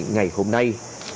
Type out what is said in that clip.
ngày hôm nay